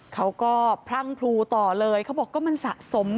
เขาก็พรั่งพูต่อเลยเขาบอกว่ามันสะสม